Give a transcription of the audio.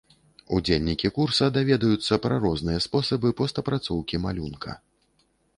Удзельнікі курса даведаюцца пра розныя спосабы пост апрацоўкі малюнка.